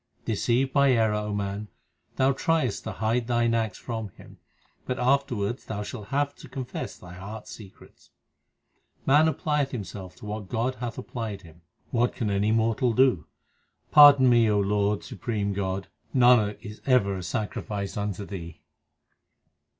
Deceived by error, O man, thou triest to hide thine acts from Him, but afterwards thou shalt have to confess thy heart s secrets. Man applieth himself to what God hath applied him : what can any mortal do ? Pardon me, O Lord, supreme God ; Nanak is ever a sacrifice unto Thee.